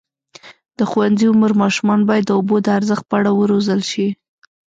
د ښوونځي عمر ماشومان باید د اوبو د ارزښت په اړه وروزل شي.